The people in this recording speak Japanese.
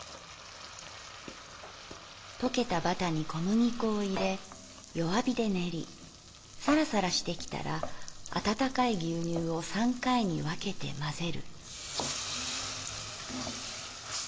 「とけたバタに小麦粉をいれ弱火で練りサラサラしてきたら温かい牛乳を三回にわけてまぜる」。